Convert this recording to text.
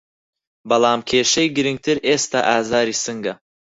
بەڵام کیشەی گرنگتر ئێستا ئازاری سنگه